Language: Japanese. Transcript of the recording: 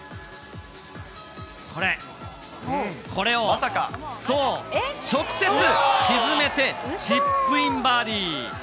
これ、これを直接沈めて、チップインバーディー。